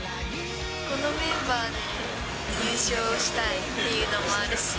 このメンバーで、優勝したいっていうのもあるし。